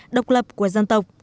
độc lập của dân tộc